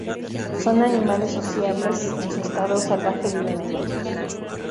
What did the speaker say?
Son animales sociables, en su estado salvaje viven en grupos.